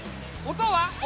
音は？